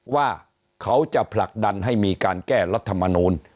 ว่าเขาจะผลักดันให้มีการแก้รัฐมนูล